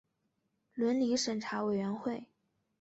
伦理审查委员会